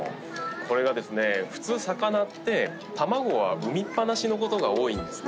これがですね普通魚って卵は産みっ放しのことが多いんですね。